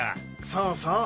そうそう。